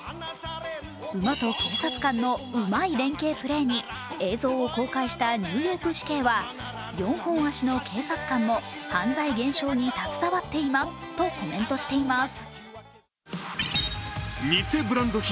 馬と警察官のうまい連係プレーに映像を公開したニューヨーク市警は４本足の警察官も犯罪減少に携わっていますとコメントしています。